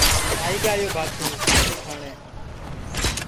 آئی گا یو بھاتو سِر دُؔکھاٹے